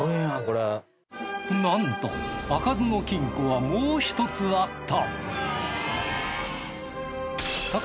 なんと開かずの金庫はもう１つあった！